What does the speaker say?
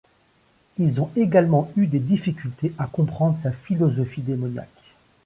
Ils ont également eu des difficultés à comprendre sa philosophie démoniaque.